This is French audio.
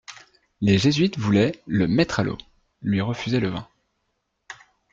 Les Jésuites voulaient «le mettre à l'eau» (lui refusaient le vin).